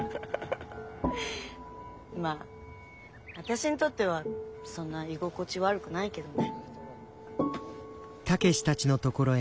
まあ私にとってはそんな居心地悪くないけどね。